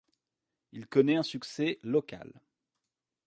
Il connaît un succès local.